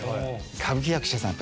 歌舞伎役者さん